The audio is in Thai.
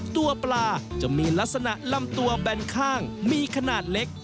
ตัวปลาจะมีลักษณะลำตัวแบนข้างมีขนาดเล็ก